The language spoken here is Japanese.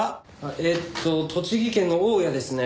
えっと栃木県の大谷ですね。